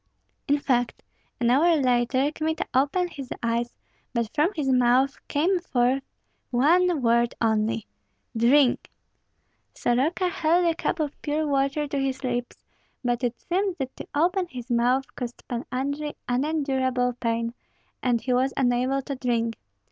In fact, an hour later, Kmita opened his eyes; but from his mouth came forth one word only, "Drink!" Soroka held a cup of pure water to his lips; but it seemed that to open his mouth caused Pan Andrei unendurable pain, and he was unable to drink.